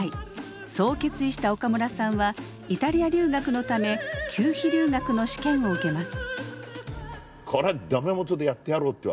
そう決意した岡村さんはイタリア留学のため給費留学の試験を受けます。